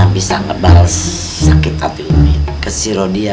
bisa ngebahas sakit hati umik ke siro dia